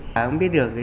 không biết được